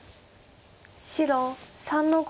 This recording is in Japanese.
白３の五。